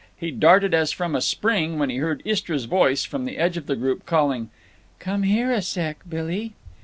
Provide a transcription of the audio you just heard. He darted as from a spring when he heard Istra's voice, from the edge of the group, calling, "Come here a sec', Billy."